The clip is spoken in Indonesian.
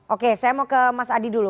oke saya mau ke mas adi dulu